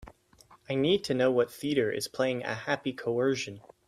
I need to know what theatre is playing A Happy Coersion